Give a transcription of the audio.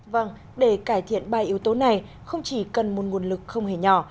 vâng để cải thiện ba yếu tố này không chỉ cần một nguồn lực không hề nhỏ